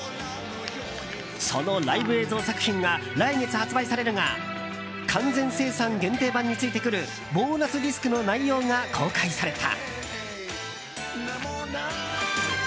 そのライブ映像作品が来月発売されるが完全生産限定盤についてくるボーナスディスクの内容が公開された。